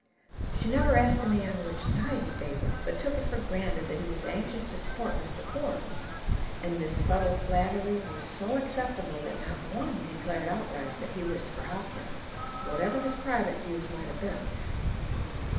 She never asked a man which side he favored, but took it for granted that he was anxious to support Mr. Forbes; and this subtle flattery was so acceptable that not one declared outright that he was for Hopkins, whatever his private views might have been.